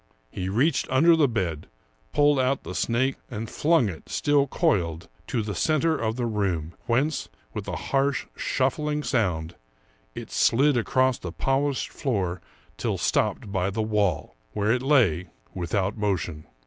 " He reached under the bed, pulled out the snake, and flung it, still coiled, to the center of the room, whence, with a harsh, shuffling sound, it slid across the polished floor till stopped by the wall, where it lay without motion.